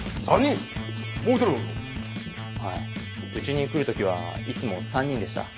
うちに来るときはいつも３人でした。